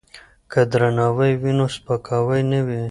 که درناوی وي نو سپکاوی نه وي.